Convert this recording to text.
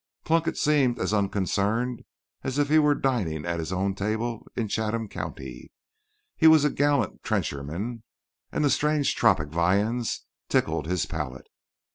Plunkett seemed as unconcerned as if he were dining at his own table in Chatham County. He was a gallant trencherman, and the strange tropic viands tickled his palate.